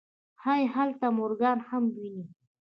ښايي هلته مورګان هم وويني.